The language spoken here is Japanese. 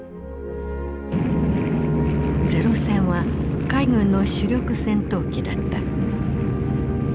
零戦は海軍の主力戦闘機だった。